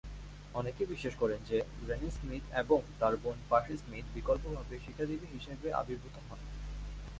অনেকেই বিশ্বাস করেন যে রেনে স্মিথ এবং তার বোন পার্সি স্মিথ বিকল্পভাবে 'সীতা দেবী' হিসাবে আবির্ভূত হন।